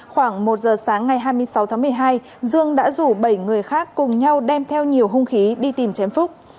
khoảng một giờ sáng ngày hai mươi sáu tháng một mươi hai dương đã rủ bảy người khác cùng nhau đem theo nhiều hung khí đi tìm chém phúc